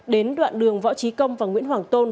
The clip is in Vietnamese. đến đoạn đường võ trí công và nguyễn hoàng tôn